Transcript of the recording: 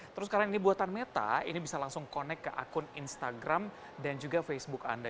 terus karena ini buatan meta ini bisa langsung connect ke akun instagram dan juga facebook anda